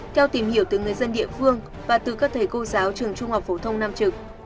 theo tìm hiểu từ người dân địa phương và từ các thầy cô giáo trường trung học phổ thông nam trực